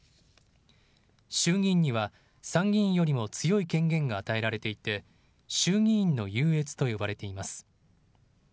衆議院には参議院よりも強い権限が与えられていて衆議院の優越と呼ばれています。